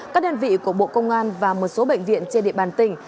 các đơn vị của bộ công an và một số bệnh viện trên địa bàn tỉnh